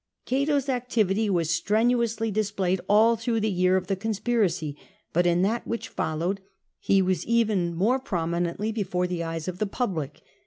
Cato's activity was strenuously displayed all through the year of the conspiracy, but in that which followed he was even more prominently before the eyes of the public.